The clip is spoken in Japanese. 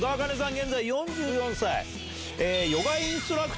現在４４歳。